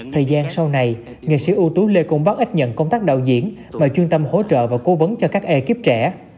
thời gian sau này nghệ sĩ ưu tú lê công báo ít nhận công tác đạo diễn mà chuyên tâm hỗ trợ và cố vấn cho các ekip trẻ